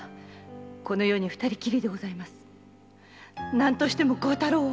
〔何としても孝太郎を！